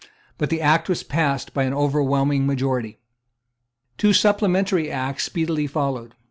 But the Act was passed by an overwhelming majority, Two supplementary Acts speedily followed.